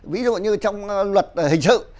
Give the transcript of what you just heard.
ví dụ như trong luật hình sự